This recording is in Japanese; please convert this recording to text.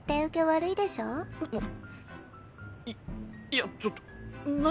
いいやちょっと何？